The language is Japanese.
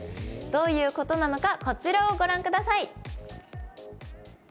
どういうことなのかこちらをご覧くださいい。